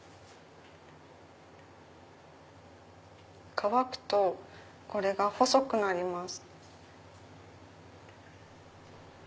乾くとこれが細くなります。